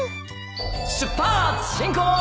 出発進行！